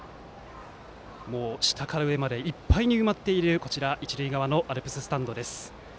下から上まで、いっぱいに埋まっている一塁側のアルプススタンドです。